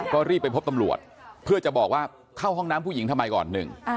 ก็รีบไปพบตำรวจเพื่อจะบอกว่าเข้าห้องน้ำผู้หญิงทำไมก่อนหนึ่ง